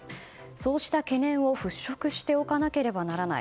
そうした懸念を払拭しておかなければならない。